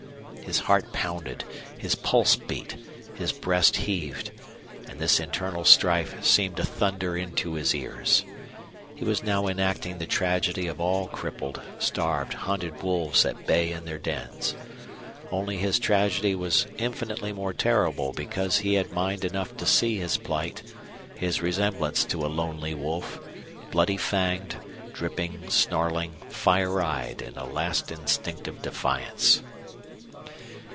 His heart pounded, his pulse beat, his breast heaved; and this internal strife seemed to thunder into his ears. He was now enacting the tragedy of all crippled, starved, hunted wolves at bay in their dens. Only his tragedy was infinitely more terrible because he had mind enough to see his plight, his resemblance to a lonely wolf, bloody fanged, dripping, snarling, fire eyed in a last instinctive defiance.